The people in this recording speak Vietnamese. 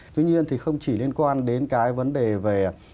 tuy nhiên thì không chỉ liên quan đến cái vấn đề về